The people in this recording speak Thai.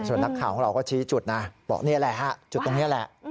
ส่วนนักข่าวของเราก็ชี้จุดนะบอกนี่แหละฮะจุดตรงนี้แหละ